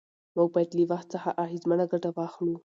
موږ باید له وخت څخه اغېزمنه ګټه واخلو